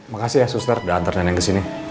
makasih ya suster udah antar neneng kesini